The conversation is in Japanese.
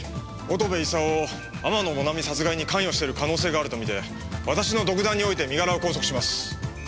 乙部功を天野もなみ殺害に関与してる可能性があると見て私の独断において身柄を拘束します。